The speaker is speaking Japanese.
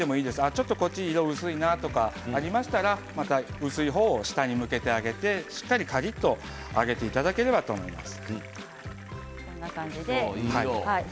ちょっとこっちの色が薄いなと思ったらまた薄い方を下に向けてあげてしっかりカリっと揚げていただければと思います。